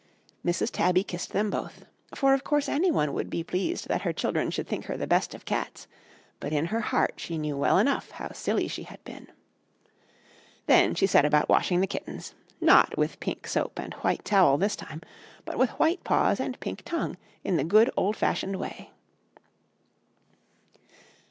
"Mrs. Tabby kissed them both, for of course any one would be pleased that her children should think her the best of cats, but in her heart she knew well enough how silly she had been. "Then she set about washing the kittens, not with pink soap and white towel this time, but with white paws and pink tongue in the good old fashioned way."